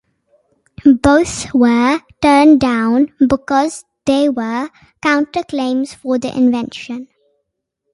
Both were turned down because there were counter claims for the invention.